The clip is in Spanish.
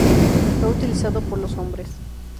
Fue utilizado por los hombres.